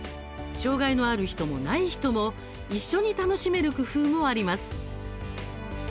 障害のある人も、ない人も一緒に楽しめる工夫もあります。